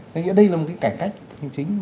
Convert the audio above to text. nghĩa đây là một cái cải cách chính chính